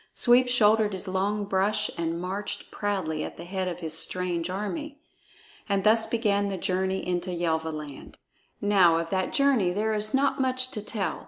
Sweep shouldered his long brush and marched proudly at the head of his strange army. And thus began the journey into Yelvaland. Now of that journey there is not much to tell.